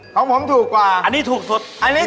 ของผมถูกกว่าอันนี้ถูกสุด